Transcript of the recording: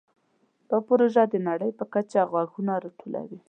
دا پروژه د نړۍ په کچه غږونه راټولوي.